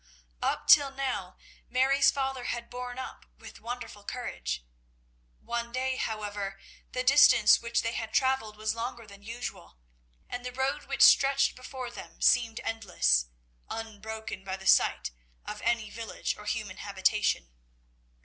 Up till now Mary's father had borne up with wonderful courage. One day, however, the distance which they had travelled was longer than usual, and the road which stretched before them seemed endless, unbroken by the sight of any village or human habitation.